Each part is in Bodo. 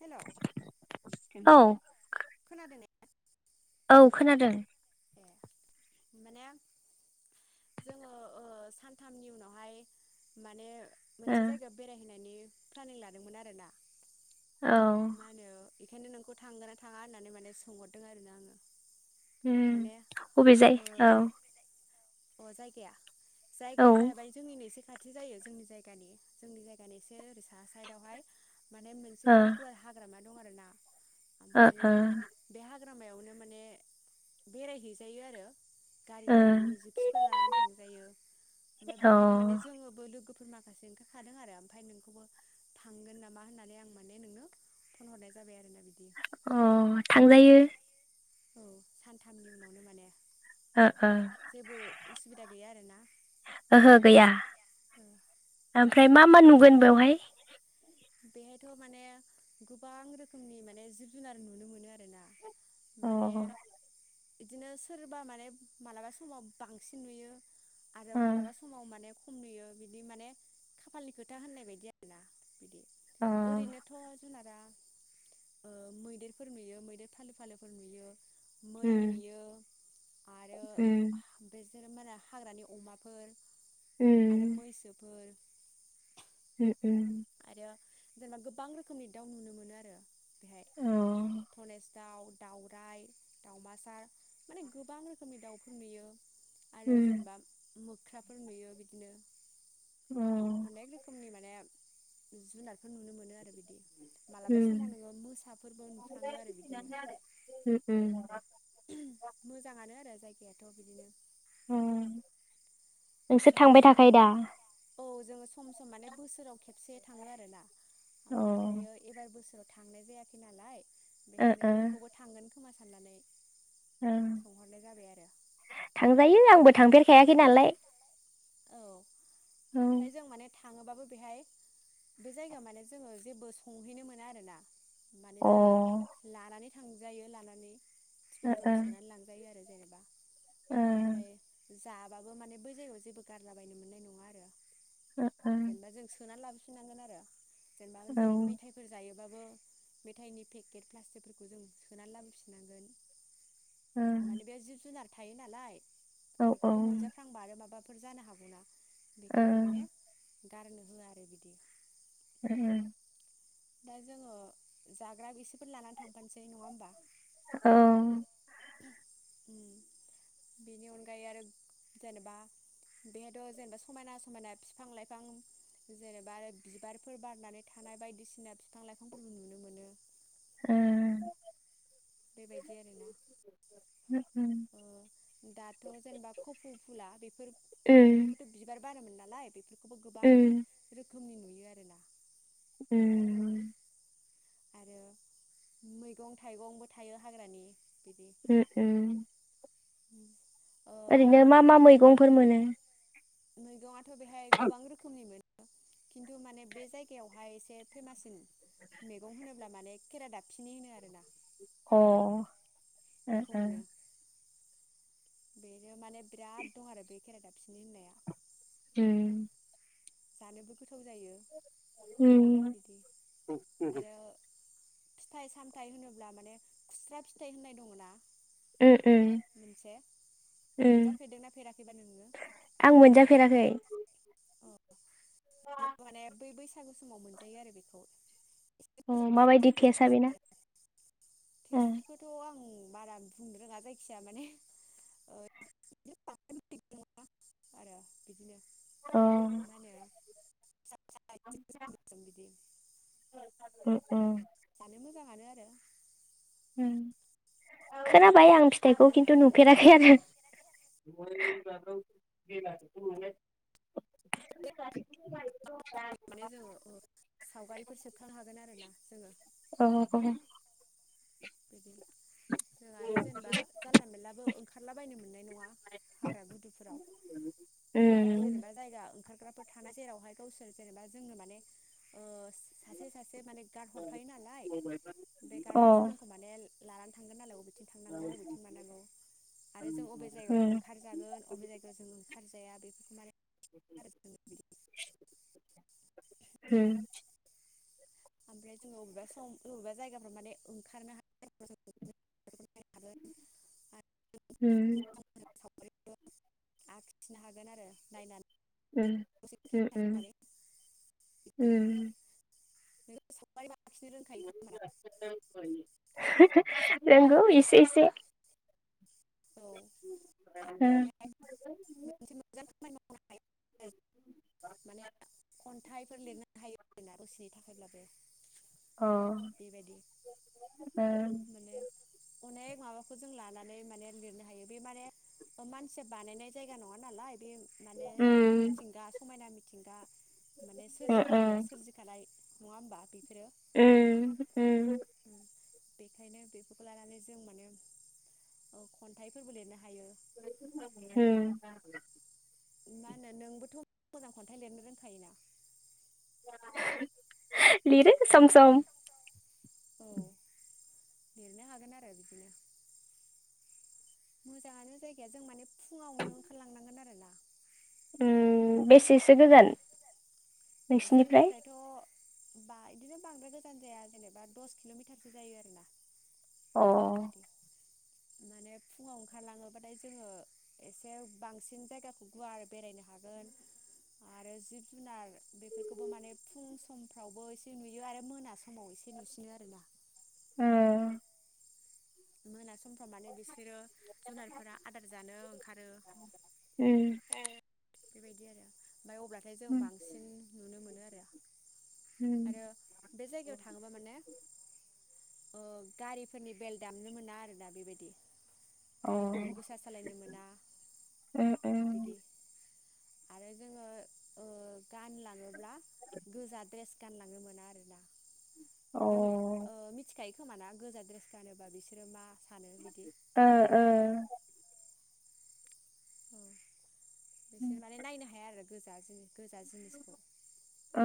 हेल'। औ। औ खोनादों। ए माने जोङो ओ सानथामनि उनावहाय माने। ओ मोनसे जायगायाव बेरायहैनायनि। प्लानिं लादोंमोन आरोना। औ। मा होनो बेखायनो नोंखौ थांगोन ना थाङा होननानै माने सोंहरदों आरो ना आङो। उम माने अबे ओ जायगायाव। अ जायगाया। जायगाया जाहैबाय जोंनिनो एसे। खाथि जायो जोंनि जायगानि जोंनि जायगानि एसे ओरै साह साइदआवहाय। माने मोनसे ओ बिराद। हाग्रामा दं आर ना। ओ ओमफ्राययो बेहा। हाग्रामायावनो माने बेरायहैजायो आरो। अ गारिफोर बिदिनो जिपसिफोर लानानै थांजायो ओमफ्राय बेखायनो माने जोङोबो लोगोफोर। माखासे ओंखारखादों आरो ओमफ्राय नोंखौबो थांगोन नामा होननानै आं माने नोंनो। फन हरनाय जाबाय आरो ना अ थांजायो औ सानथामनि उनावनो माने ओ ओ जेबो उसुबिदा गैया आरोना ओहो फ्राय मा मा नुगोन बेवहाय बेहायथ' माने गोबां रोखोमनि माने जिब जुनार नुनो मोनो आरो ना अ माने ओ बिदिनो सोरबा माने मालाबा समाव बांसिन नुयो आरो मालाबा अ समाव माने खम नुयो बिदि माने खाफालनि खोथा होननाय बायदि आरोना बिदि ओरैनोथ' जुनारा ओ मैदेरफोर नुयो मैदेर फालो फालोफोर नुयो मै उम नुयो आरो उम बे बेफोर माने हाग्रानि अमाफोर आरो मैसोफोर उम-उम आरो जेनेबा गोबां रोखोमनि दाउ नुनो मोनो आरो बेहाय अ धनेस दाउ दाउराइ दावमासा माने गोबां रोखोमनि दाउफोर नुयो। आरो उम जेनबा मोख ख्राफोर नुयो बिदिनो अ अनेक रोखोमनि मा ने जुनारफोर नुनो मोनो आरो बि उम नुफ्लाङो आरो बिदिनो उम उम। मोजाङानो आरो जायगायाथ बिदिनो उम नोंसोर थांबाय हमनो थाखायो दा? औ जोङो सम सम माने बोसोराव खेबसे थाङो आरोना। अ ओ ओमफ्रायो एबार बोसोराव थांनाय जायाखै नालाय बेखायनो ओ नोंखौबो थांगोन खोमा सानानै ओं थांजायो आंबो थांफेर खायाखै नालाय औ। औ ओमफ्राय जों माने था थाङोबाबो बेहाय बे जायगायाव माने जोङो जेबो संहैनो मोना आरोना। माने जों लानानै थांजायो लानानै अ टिफिनफोराव सोनानै लांजायो आरो। जेनेबा ओमफ्राय जाबाबो माने बै जायगायाव जेबो गारलाबायनो मोननाय नङा आरो। जेनेबा जों सोना लाबो फिनांगोन आरो। जेनेबा ओ जों मेथाइफोर जायो बाबो मेथाइनि पेकेट प्लास्टिकफोरखौ जों सोनानै लाबोफिननांगोन। माने बे जिब-जुनार थायो नालाय ओ औ ओ बेफोरखौ मोनजाफ्लांबा आरो माबा फोर जानो हागौ ना। बेखायनो माने गारनो होआ आरो बिदि। ओ उम। दा जोङो जाग्रा एसेफोर लानानै थांफानोसै नङा होमबा? औ। उम बेनि अनगायै आरो जेनेबा बेहायथ' जेनेबा समायना समायना बिफां लाइफां जेनेबा आरो बिबारफोर बारनानै थानाय बायदिसिना बिफां लाइफांफोरबो नुनो मोनो। ओ। बेबायदि आरोना। उम ओ दाथ' जेनेबा कफौ फुला बेफोर माने उम बेफोरथ' बिबार बारोमोननालाय बेफोर गोबां रो बेवहाय उम। आरो मैगं थाइगंबो थायो हाग्रानि। उम उम। उम। ओरैनो मा मा मैगंफोर मोनो? मैगंआ थ' बेहाय गोबां रोखोमनि मोन। खिन्थु माने बे जायगायावहाय एसे फेमाससिन मैगं होनो ब्ला माने खेरा दाबफननि होनो आरो ना अ ओ उम बेखौ मोनो बेनो माने बिराद दं आरो बे खेराादाबसिनि होननाया उम जानोबो गोथाव जायो उम बिदि आरो फिथाइ सामथायाइ होनोब्ला माने खुस्रा फिथाइ होननाय दङ ना उम मोनसे उम मोनजाफेरदोंना फेराखैबा नोङो आं मोनजाफेराखै औ माने बै बै बैसागु समाव मोनजायो आरो बेखौ माबायदि थेसआ बेना अ टेस्ट खौथ' आं बारा बुंनो रोङा जायखिजाया माने ओ आरो बिदिनो औ मा होनो फिसा फिसा गोसोम ओमफ्राय गोसोम बिदि उ उ जानो मोजाङानो आरो उम खोनाबाय आं फिथाइखौ खिन्थु नुफेराखै आरो [inaudible] माने जोङो सावगारिफोर सेबखांनो हागोन आरोना जोङो उम बिदि जों आरो जेनेबा जानला मलाबो ओंखारलाबायनो मोननाय नङा जेनेबा जायगा हाग्राफोर थानायाना जेरावहाय गावसोर जेनेबा जोंनो माने सासे सासे मान गार हरफायो नालाय बे उम गार्ड आसो लानानै थांगोन नालाय बबेथिं थांनांगौ बबेथिं मानांगौ आरो जों अबे जायगायाव उम ओंखारजागोन अबे जायगायाव जों ओंखारजाया बेफोरखौ माने आरो बिदि होम ओमफ्राय जोङो बबेबा सम बबेबा जायगाफ्राव माने ओंखारनो हानायनो हागोन हम आखिनो हागोन आरो नायनानै उम दसे क्लिक उम खालामनानै उम उम [unintelligible] लाखिनो रोंखायो खाम नोंगौ इसे इसे औ आरो बेहाय मोनसे मोजां खामानि मावनो हायो आरो होम माने खन्थाइफोर लिरनानै हायो आरोना उसिनि थाखायब्लाबो अ उम बेबायदि माने अनेक माबाखौ जों लानानै माने लिरनो हायो बे मान मानसिया बानायनाय जायगा नङा नालाय बे माने उम मिथिंगा समायना मिथिंगा माने उम सोरजिगिरिाया उम सोरजिखानाय नङा होमबा [inaudible] उम बेखायनो बेफोरखौ लानानै जों माने खन्थाइफोरबो लिरनो हायो। हम मा होनो नोंबोथ' मोजां खन्थाइ लिरनो रोंखायोना लिरे सम समोम औ लिरनो हागोन आरो बिदिनो मोजाङानो जायगाया जों माने फुङावनो ओंखारलांनांगोन आरोना उम बेसेसो गोजान जोंनि नोंसिनिफ्राय फ्राय थ' बा बिदिनो बांद्राय गोजान जाया जेनेबा दस किल'मिटारसो जायो आरोना अ बिदि माने फुङाव ओंखारलाङोबाथाय जोङो एसे बांसिन जायगाखौ गुवार बेरायनो हागोन आरो जिब जुनार बेफ बेफोरखौबो माने फुं समफ्रावबो एसे नुयो आरो मोना समाव एसे नुसिनो आरोना ओम मोनासिम समफ्राव माने बिसोरो जुनारफोरा आदार जानो ओंखारो उम ओं बेबायदि आरो ओमफफ्राय अब्लाथाय जों उम बांसिन नुनो मोनो आरो आरो उम बे जायगायाव थाङोबा माने अ गारिफोरनि बेल्ट दामनो मोना आरोना बेबायदि अ गारिफोरखौ गोसा सालायनो मोना उम बिदि उम अ आरो जोङो ओ गानलाङोब ब्ला गोजा द्रेस गानलाङनो मोना आरोना ओ नों अ मिथिखायो खोमाना गोजा द्रेस गनोबा होनबा बिसोर मा ओ ओ औ बिसोर माने नायनो हाया आरो गोजाजों गोजा जिनिसखौ ओ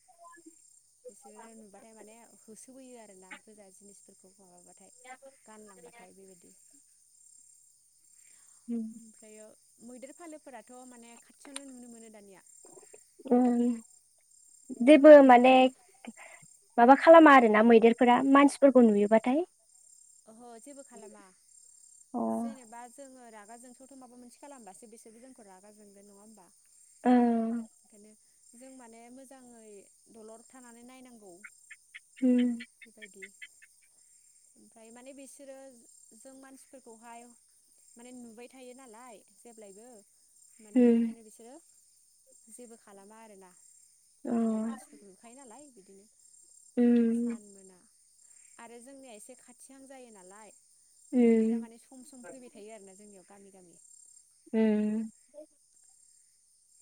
[unintelligible] बिसोरो नुबाथाय माने होसोबोयो आरो ना गोजा जिनिसफोरखौ माबाबाथाय गानलांबाथाय बेबायदि उम ओमफ्रायो मैदेर फालोफोराथ' माने खाथियावनो नुनो मोनो दानिया औ बिबो माने माबा खालामा आरो ना मैदेरफोरा मानसिफोरखौ नुयोबाथाय अह जेबो खालामा औ जेनेबा जोङो रां रागा जोंसावथ' माबा मोनसे खालामबासो बिसोरबो जोंखौ रागा जोंगोन नङा होनबा बेखायानो जों माने मोजाङै दलर थानानै नायनांगौ बेबायदि ओमफ्राय माने बिसोरो जो जों मानसिफोरखौहाय माने नुबाय थायो नालाय जेब्लायबो माने बेखायनो बिसोरो जेबो खालामा आरोना माने मानसिफोरखौ नुखायो नालाय [unintelligible] सानमोना आरो जोंनिया एसे खाथिहां जायो नालाय मैदेरा माने सम सम फैबाय थायो आरोना जोंनियाव गामि गामि उम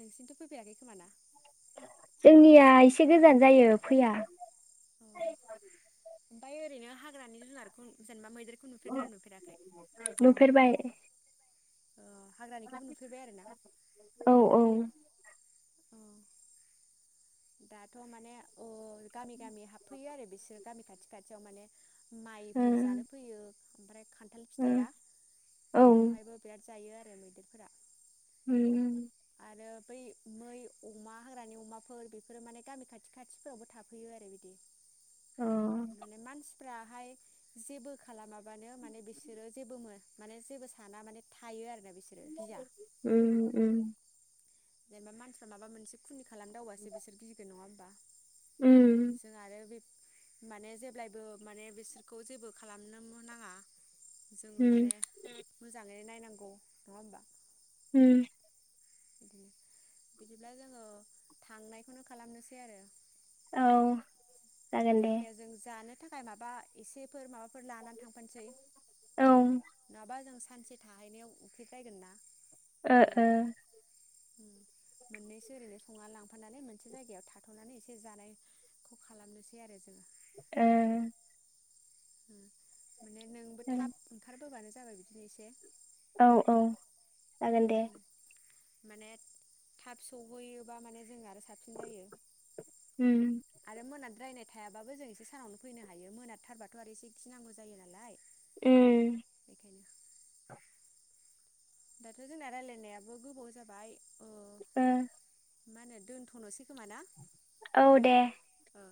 नोंसिनिथ' फैफेराखै खोमा ना जोंनिया एसे गोजान जायो फैया [unintelligible] ओमफाय ओरैनो हाग्रानि जुनारखौ जेनेबा मैदेर नुफेरबाय। अ हाग्रानिखौबो नुफेरबाय आरोना। औ दाथ' माने अ। गामि गामि हाबफैयो आरो बिसोर गामि खाथियाव। खाथियाव माने। ओ माइफोर जानो फैयो। ओमफ्राय खान्थाल ओ फिथाइया औ बेखौहायबो बिराद जायो आरो। मैदेरफोरा। उम। आरो बै मै अमा हाग्रानि अमाफोर बेफोरो माने गामि खाथि खाथिफोरावबो थाफैयो आरो बिदि। अ माने मानसि। फ्रहाय जेबो खालामा माबानो माने बिसोरो जेबो मोन माने जेबो साना माने थायो आरो। उम उम जेनेबा मानसिफ्रा माबा मोनसे खुनि। खालामदावबासो बिसोर गिगोन नङा होमबा। उम जों आरो बेफ माने जेब्लायबो माने बिसोरखौ जेबो खालामनो मो नाङा। जोङो उम माने मोजाङैनो नायनां नांगौ नङा ओमबा। उम। बिदिब्ला जोङो थांनायखोनो खालामनोसै आरो। औ। जागोन दे जायखिाया जों जानो। थाखाय माबा एसेफोर माबाफो फोर लानानै थांफानोसै औ ओ नङाबा जों सानसे थाहैनायाव उखैबायगोन ना। ओ ओ। मोननैसो ओरैनो संना लांफानानै मोनसे जायगायाव थाथनानै एसे जानायखौ खालामनोसै आरो जोङो। ओ। [inaudible] माने नोंबो जागोन थाब ओंखार। फोबानो जाबाय बिदिनो एसे। औ औ। जागोन दे। माने थाब सहैयोबा माने जों आरो साबसिन जायो उम आरो मोना रायनाय थायाबाबो जों एसे सानावनो फैनो हायो मोनाथारबाथ आरो एसे गिनांगौ जायो नालाय उम बेखायनो दाथ' जोंना रायलायनायाबो गोबाव जाबाय ओ ओ मा होनो दोनथनोसै खोमा ना? औ दे ओ